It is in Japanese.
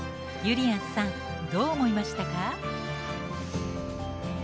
ゆりやんさんどう思いましたか？